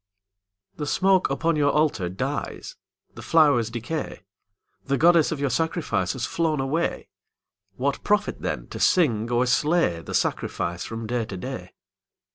_) The smoke upon your Altar dies, The flowers decay, The Goddess of your sacrifice Has flown away. What profit, then, to sing or slay The sacrifice from day to day?